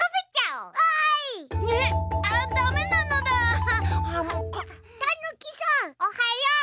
おはよう！